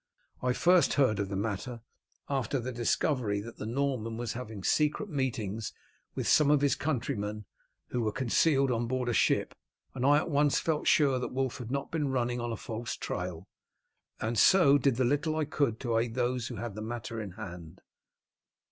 I first heard of the matter after the discovery that the Norman was having secret meetings with some of his countrymen who were concealed on board a ship, and I at once felt sure that Wulf had not been running on a false trail, and so did the little I could to aid those who had the matter in hand."